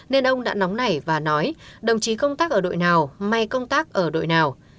nên ông đã nóng nảy và nói đồng chí công tác ở đội nào may công tác ở đội nào